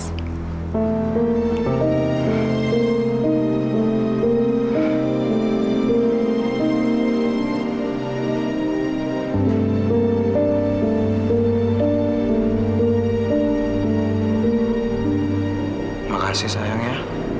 terima kasih sayangnya